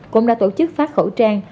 cũng đã tổ chức phát khẩu trang